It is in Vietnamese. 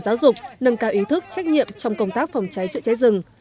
giáo dục nâng cao ý thức trách nhiệm trong công tác phòng cháy chữa cháy rừng